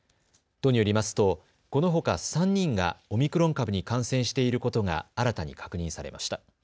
都によりますと、このほか３人がオミクロン株に感染していることが新たに確認されました。